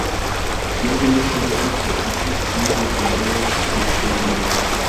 Tiene el mismo origen que Assens, una localidad de Jutlandia.